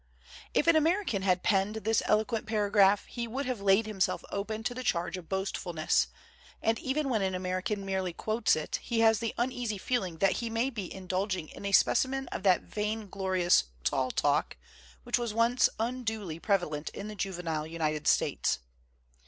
If an American had penned this eloquent paragraph, he would have laid himself open to the charge of boastfulness; and even when an American merely quotes it, he has the uneasy feeling that he may be indulging in a specimen of that vainglorious "tall talk" which was once unduly prevalent in the juvenile United States.